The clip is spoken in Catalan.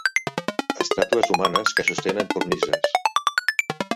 Estàtues humanes que sostenen cornises.